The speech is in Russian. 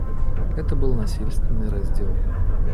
Это был насильственный раздел.